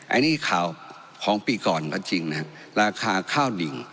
อันนี้ข่าวของปีก่อนมาจริงนะราคาข้าวดิ่ง